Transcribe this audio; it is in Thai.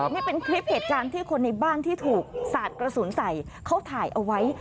นี่เป็นคลิปเหตุการณ์ที่คนในบ้านที่ถูกสาดกระสุนใส่เขาถ่ายเอาไว้